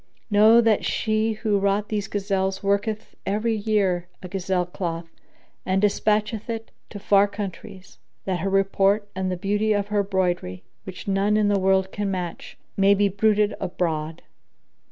Know that she who wrought these gazelles worketh every year a gazelle cloth and despatcheth it to far countries, that her report and the beauty of her broidery, which none in the world can match, may be bruited abroad.